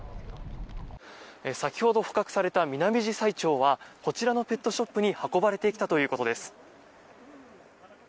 先ほど捕獲されたミナミジサイチョウはこちらのペットショップに運ばれてきたということです。